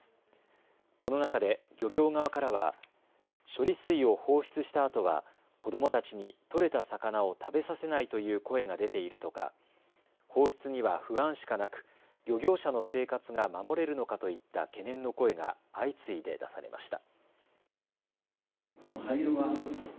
この中で漁協側からは処理水を放出したあとは子どもたちに取れた魚を食べさせないという声が出ているとか放出には不安しかなく漁業者の生活が守れるのかといった懸念の声が相次いで出されました。